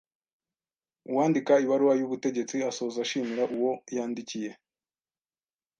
Uwandika ibaruwa y’ ubutegetsi asoza ashimira uwo yandikiye.